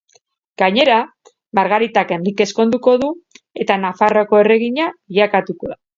Gainera, Margaritak Henrike ezkonduko du eta Nafarroako erregina bilakatuko da.